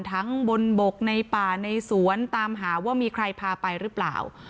ทั้งบนบกในป่าในสวนตามหาว่ามีใครพาไปหรือเปล่า